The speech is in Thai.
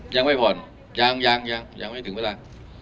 ยังไม่ผ่อนยังยังไม่ถึงเวลา